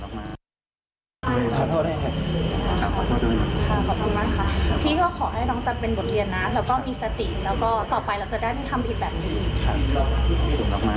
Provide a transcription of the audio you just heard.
ขอโทษได้ไง